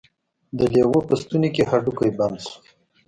د لیوه په ستوني کې هډوکی بند شو.